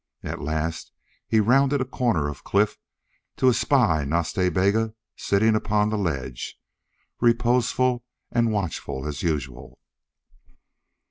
At length he rounded a corner of cliff to espy Nas Ta Bega sitting upon the ledge, reposeful and watchful as usual.